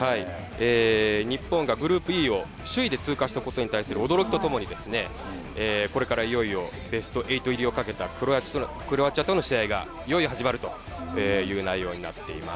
日本がグループＥを首位で通過したことに対する驚きとともにですね、これからいよいよベスト８入りをかけたクロアチアとの試合がいよいよ始まるという内容になっています。